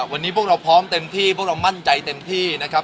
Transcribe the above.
วันนี้พวกเราพร้อมเต็มที่พวกเรามั่นใจเต็มที่นะครับ